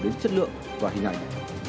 đến chất lượng và hình ảnh